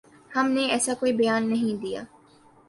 ہم نے ایسا کوئی بیان نہیں دیا